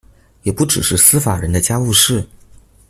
也不只是司法人的家務事